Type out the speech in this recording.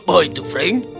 apa itu frank